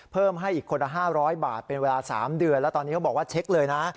เพิ่มให้อีกคนละ๕๐๐บาทเป็นเวลา๓เดือนแล้วตอนนี้เขาบอกว่าเช็คเลยนะ